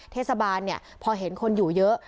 เทศบาลพอเห็นคนอยู่เยอะ